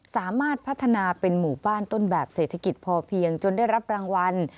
สามารถพัฒนาเป็นหมู่บ้านต้นแบบเศรษฐกิจพอเพียงจนได้รับรางวัล